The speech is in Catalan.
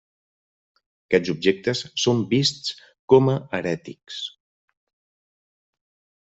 Aquests objectes són vists com a herètics.